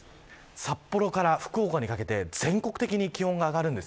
札幌から福岡にかけて全国的に気温が上がります。